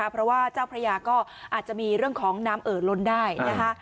เพราะว่าเจ้าพระยาก็อาจจะมีเรื่องของน้ำเอ่อล้นได้นะคะ